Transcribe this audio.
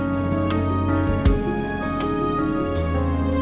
gak salim dulu ya mama